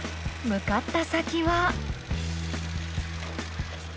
向かった先は。